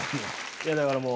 いやだからもう。